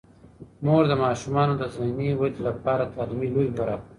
مور د ماشومانو د ذهني ودې لپاره تعلیمي لوبې برابروي.